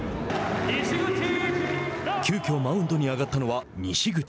急きょマウンドに上がったのは西口。